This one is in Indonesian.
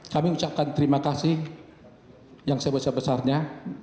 kami ucapkan terima kasih yang sebesar besarnya